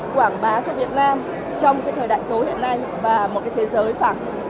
quảng bá cho việt nam trong cái thời đại số hiện nay và một cái thế giới phả